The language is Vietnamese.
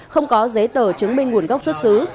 không có giấy tờ chứng minh nguồn gốc xuất xứ